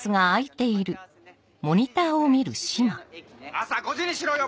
朝５時にしろよ！